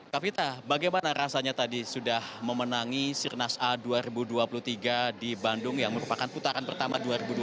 kavita bagaimana rasanya tadi sudah memenangi sirnas a dua ribu dua puluh tiga di bandung yang merupakan putaran pertama dua ribu dua puluh